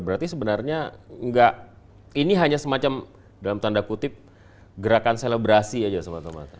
berarti sebenarnya nggak ini hanya semacam dalam tanda kutip gerakan selebrasi saja sama sama